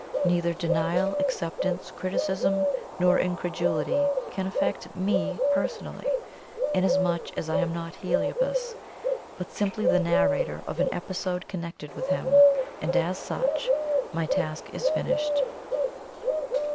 Neither denial, acceptance, criticism, nor incredulity can affect ME personally, inasmuch as I am not Heliobas, but simply the narrator of an episode connected with him; and as such, my task is finished.